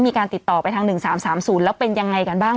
มีการติดต่อไปทาง๑๓๓๐แล้วเป็นยังไงกันบ้าง